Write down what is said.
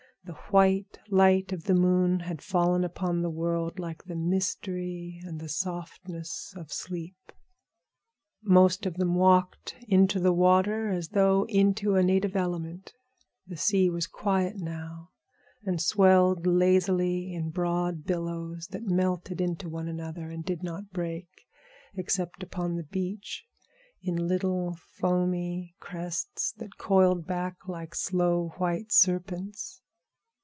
The white light of the moon had fallen upon the world like the mystery and the softness of sleep. Most of them walked into the water as though into a native element. The sea was quiet now, and swelled lazily in broad billows that melted into one another and did not break except upon the beach in little foamy crests that coiled back like slow, white serpents.